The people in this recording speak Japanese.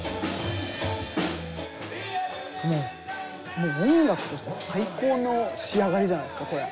もう音楽として最高の仕上がりじゃないですかこれ。